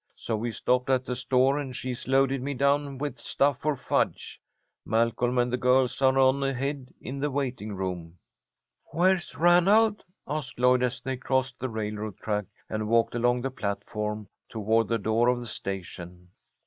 So we stopped at the store, and she's loaded me down with stuff for fudge. Malcolm and the girls are on ahead in the waiting room." "Where's Ranald?" asked Lloyd, as they crossed the railroad track and walked along the platform toward the door of the station.